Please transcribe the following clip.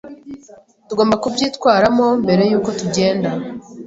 Tugomba kubyitwaramo mbere yuko tugenda